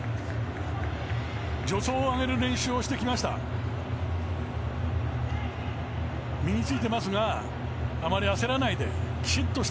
助走を上げる練習をしてきました。